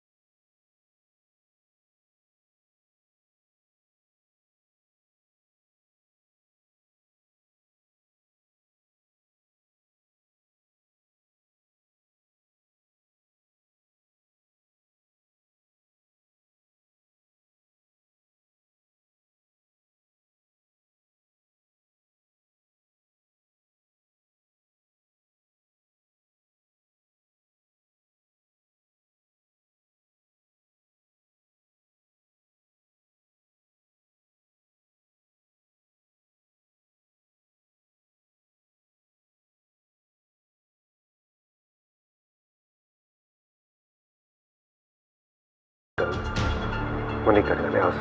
tapi ikutin melepaskan becomes